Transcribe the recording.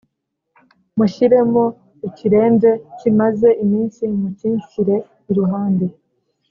mushyiremo ikiremve kimaze iminsi mukinshyire iruhande